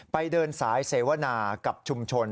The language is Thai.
เดินสายเสวนากับชุมชน